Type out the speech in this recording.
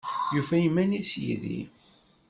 Yufa iman-is yid-i?